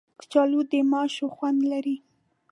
کچالو د ماشو خوند لري